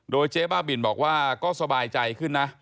โดยเจ๊บ้าบินบอกว่าก็สบายใจขึ้นนะ